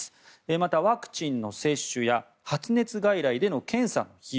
また、ワクチンの接種や発熱外来での検査の費用